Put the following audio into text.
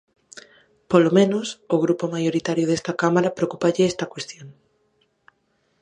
Polo menos, ao grupo maioritario desta Cámara preocúpalle esta cuestión.